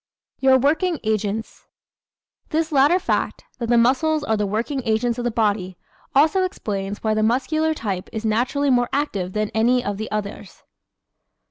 Your Working Agents ¶ This latter fact that the muscles are the working agents of the body also explains why the Muscular type is naturally more active than any of the others.